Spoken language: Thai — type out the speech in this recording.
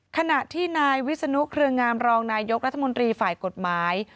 ขณะที่นายวิศนุเครืองามรองนายกรัฐมนตรีฝ่ายกฎหมาย